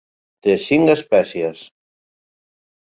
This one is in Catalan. Té cinc espècies.